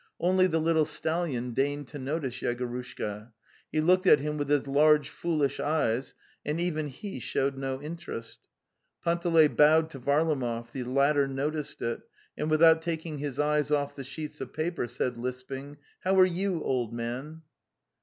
Only the little stallion deigned to notice Yego rushka; he looked at him with his large foolish eyes, and even he showed no interest. Panteley bowed to Varlamov; the latter noticed it, and without tak ing his eyes off the sheets of paper, said lisping: '* How are you, old man?"